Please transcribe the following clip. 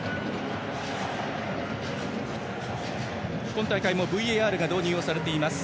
今大会もＶＡＲが導入されています。